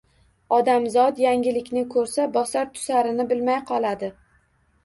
Odamzot yangilikni ko‘rsa, bosar-tusarini bilmay qoladi.